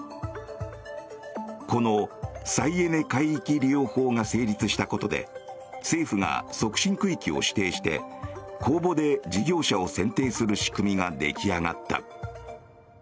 この再エネ海域利用法が成立したことで政府が促進区域を指定して公募で事業者を選定する仕組みが出来上がった。